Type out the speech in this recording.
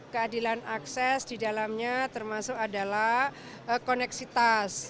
keadilan akses di dalamnya termasuk adalah koneksitas